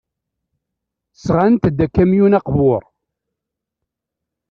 Sɣant-d akamyun aqbur.